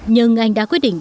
nhưng anh đã quyết định